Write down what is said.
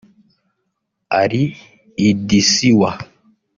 Ali Idisiwa